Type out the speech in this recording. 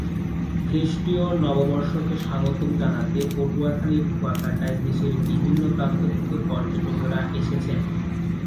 খ্রিষ্টীয় নববর্ষকে স্বাগত জানাতে পটুয়াখালীর কুয়াকাটায় দেশের বিভিন্ন প্রান্ত থেকে পর্যটকেরা এসেছেন।